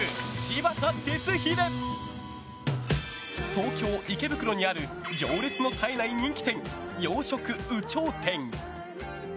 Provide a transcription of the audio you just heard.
東京・池袋にある行列の絶えない人気店洋食ＵＣＨＯＵＴＥＮ。